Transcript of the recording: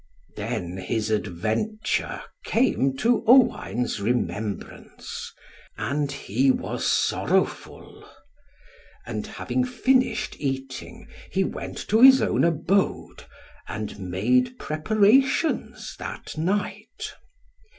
Then his adventure came to Owain's remembrance, and he was sorrowful. And having finished eating, he went to his own abode, and made preparations that night.